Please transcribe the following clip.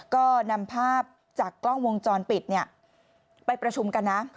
ก็นำภาพจากกล้องวงจรปิดไปประชุมกันนะ